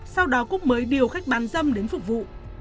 sau đó cúc mới điều khách bán dâm đến phục vụ